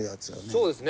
そうですね。